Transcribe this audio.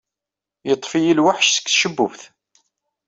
Yeḍḍef-iyi lweḥc seg tcebbubt.